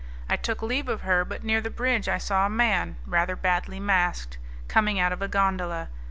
I took leave of her, but near the bridge I saw a man, rather badly masked, coming out of a gondola.